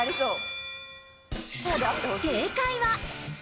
正解は。